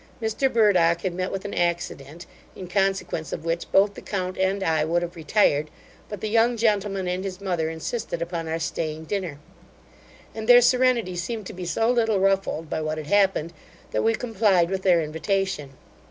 Mr Burdock had met with an accident, in consequence of which both the count and I would have retired but the young gentleman and his mother insisted upon our staying dinner; and their serenity seemed to be so little ruffled by what had happened, that we complied with their invitation.